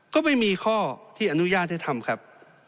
ก็ไม่มีข้อที่อนุญาตให้ทำครับ